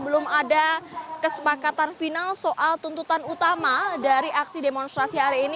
belum ada kesepakatan final soal tuntutan utama dari aksi demonstrasi hari ini